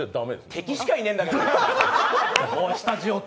敵しかいないんだけど。